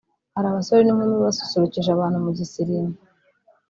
hari abasore n'inkumi basusurukije abantu mu gisirimba